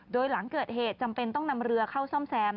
โดยหลังเกิดเหตุจำเป็นต้องนำเรือเข้าซ่อมแซม